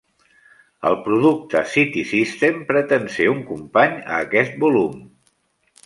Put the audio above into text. El producte "City System" pretén ser un company a aquest volum.